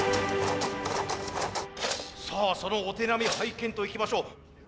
さあそのお手並み拝見といきましょう。